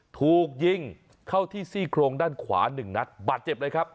ถูกยิงเข้าที่ซี่โครงด้านขวา๑นัดบาดเจ็บเลยครับ